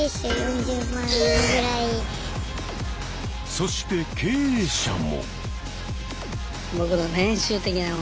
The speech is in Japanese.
そして経営者も。